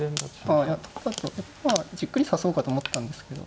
あいや何かここはじっくり指そうかと思ったんですけど